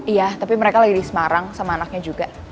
iya tapi mereka lagi di semarang sama anaknya juga